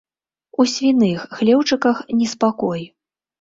У свіных хлеўчыках неспакой.